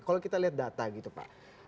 kalau kita lihat data gitu pak